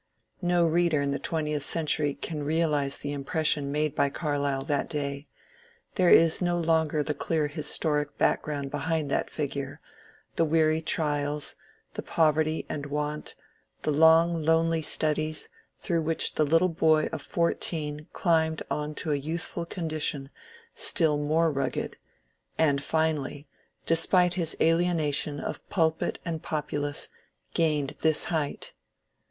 No reader in the twentieth century can realize the impression made by Carlyle that day. There is no longer the clear his toric background behind that figure, — the weary trials, the poverty and want, the long, lonely studies, through which the little boy of fourteen climbed on to a youthful condition still more rugged, and finally, despite his alienation of pulpit and popolace, gained this height.